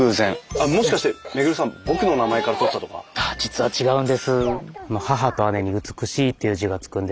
あ実は違うんです。